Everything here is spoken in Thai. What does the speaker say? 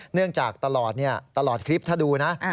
เนื่องจากตลอดนี่ตลอดคลิปถ้าดูนะ